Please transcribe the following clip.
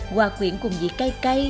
hòa quyển cùng vị cay cay